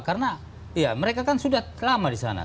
karena mereka kan sudah lama disana